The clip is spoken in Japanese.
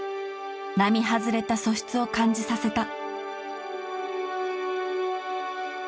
並外れた素質を感じさせた。